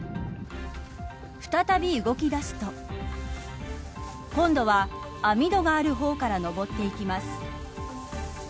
再び動きだすと今度は、網戸のある方から上っていきます。